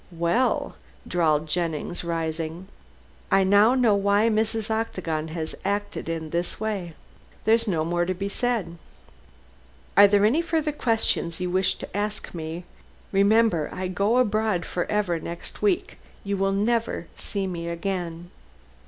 "Well," drawled Jennings, rising, "I now know why Mrs. Octagon has acted in this way. There's no more to be said." "Are there any further questions you wish to ask me? Remember I go abroad forever next week. You will never see me again."